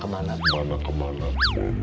kemana mana kemana mana kemana mana